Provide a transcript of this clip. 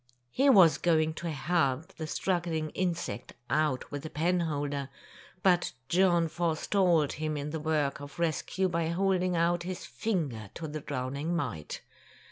He was going to help the struggling insect out with a penholder, but John forestalled him in the work of rescue by holding out his finger to the drowning mite.